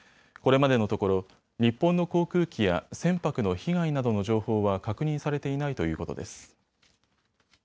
これまでのところ日本の航空機や船舶の被害などの情報は確認されていないということです。